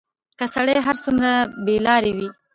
که سړى هر څومره بېلارې وي،